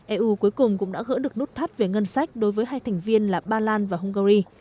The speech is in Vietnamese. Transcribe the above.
eu cuối cùng cũng đã gỡ được nút thắt về ngân sách đối với hai thành viên là ba lan và hungary